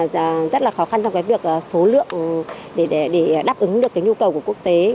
rất là khó khăn trong việc số lượng để đáp ứng được nhu cầu của quốc tế